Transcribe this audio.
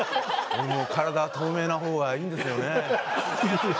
「体透明な方がいいんですよね」。